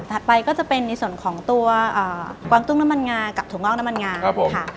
ไปก็จะเป็นในส่วนของตัวกวางตุ้งน้ำมันงากับถั่วอกน้ำมันงาครับผมค่ะ